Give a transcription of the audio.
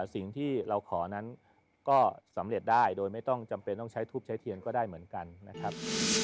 สิ่งที่เราขอนั้นก็สำเร็จได้โดยไม่ต้องจำเป็นต้องใช้ทูปใช้เทียนก็ได้เหมือนกันนะครับ